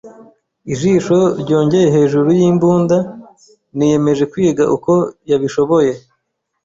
ijisho ryongeye hejuru yimbunda, niyemeje kwiga uko yabishoboye